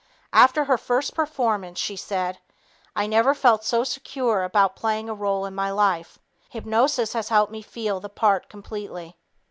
After her first performance, she said: "I never felt so secure about playing a role in my life. Hypnosis helped me feel the part completely."